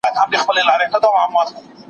هیڅوک حق نه لري چي د بل چا خطونه خلاص کړي.